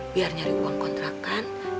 biar nyari uang kontrakan